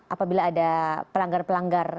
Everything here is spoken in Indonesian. apabila ada pelanggar pelanggar